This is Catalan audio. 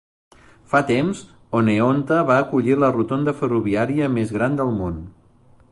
Fa temps, Oneonta va acollir la rotonda ferroviària més gran del món.